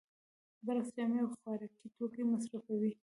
برعکس جامې او خوراکي توکي مصرفوي